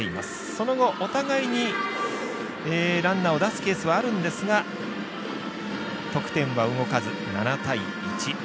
その後、お互いにランナーを出すケースはあるんですが得点は動かず、７対１。